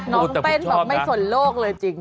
น้องเต้นแบบไม่สนโลกเลยจริง